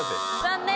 残念。